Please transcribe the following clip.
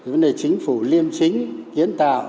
vấn đề chính phủ liêm chính kiến tạo